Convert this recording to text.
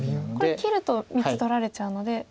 これ切ると３つ取られちゃうので。